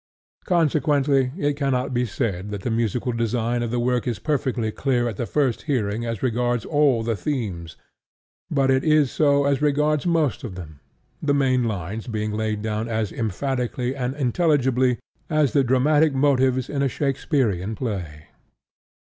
Consequently it cannot be said that the musical design of the work is perfectly clear at the first hearing as regards all the themes; but it is so as regards most of them, the main lines being laid down as emphatically and intelligibly as the dramatic motives in a Shakespearean play.